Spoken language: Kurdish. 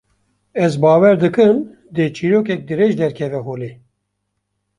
Ez bawer dikim, dê çîrokek dirêj derkeve holê